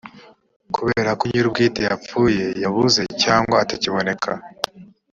kubera ko nyir‘ubwite yapfuye yabuze cyangwa atakiboneka.